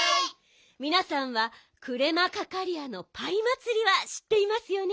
みなさんはクレマカカリアのパイまつりはしっていますよね？